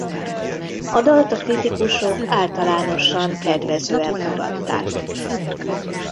A dalt a kritikusok általánosan kedvezően fogadták.